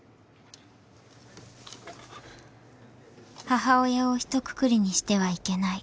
［母親をひとくくりにしてはいけない］